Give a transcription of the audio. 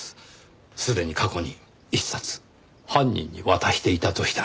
すでに過去に１冊犯人に渡していたとしたら。